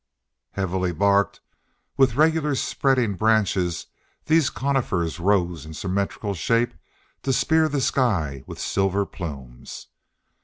Heavily barked, with regular spreading branches, these conifers rose in symmetrical shape to spear the sky with silver plumes.